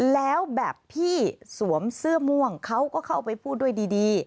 แล้วแบบพี่สวมเสื้อม่วงเขาก็เข้าไปพูดด้วยดี